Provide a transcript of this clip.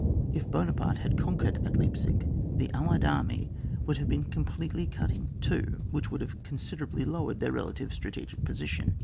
If Buonaparte had conquered at Leipsic, the allied army would have been com pletely cut in two, which wouid have considerably lowered their relative stra tegic position.